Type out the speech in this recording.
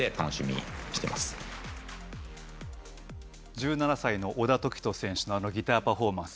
１７歳の小田凱人選手の、ギターパフォーマンス。